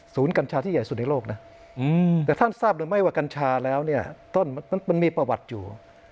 กัญชาที่ใหญ่สุดในโลกนะแต่ท่านทราบหรือไม่ว่ากัญชาแล้วเนี่ยต้นมันมีประวัติอยู่